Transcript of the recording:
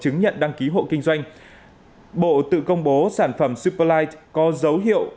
nhận đăng ký hộ kinh doanh bộ tự công bố sản phẩm superlight có dấu hiệu